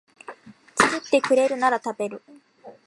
作ってくれるなら食べる